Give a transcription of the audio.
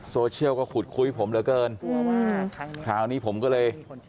โซเชียลก็ขุดคุยผมเหลือเกินกลัวว่าคราวนี้ผมก็เลย